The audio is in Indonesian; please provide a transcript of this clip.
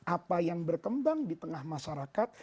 apa yang berkembang di tengah masyarakat